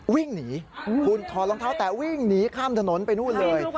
วิ่งหนีคุณถอดรองเท้าแต่วิ่งหนีข้ามถนนไปนู่นเลย